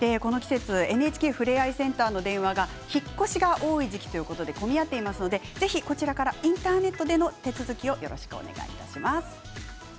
ＮＨＫふれあいセンターの電話が引っ越しが多い時期で混み合っていますので、ぜひインターネットでのお手続きをよろしくお願いします。